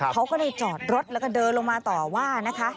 เขาก็เลยจอดรถแล้วก็เดินลงมาต่อว่านะคะ